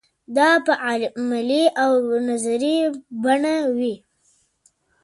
دا په عملي او نظري بڼه وي.